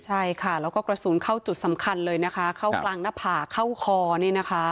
ใช่ค่ะแล้วก็กระสุนเข้าจุดสำคัญเลยนะคะเข้ากลางหน้าผากเข้าคอนี่นะคะ